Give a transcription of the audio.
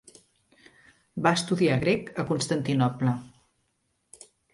Va estudiar grec a Constantinoble.